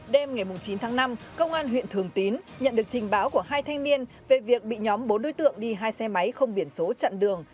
đêm ngày chín tháng năm công an huyện thường tín nhận được trình báo của hai thanh niên về việc bị nhóm bốn đối tượng đi hai xe máy không biển số chặn đường